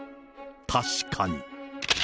確かに。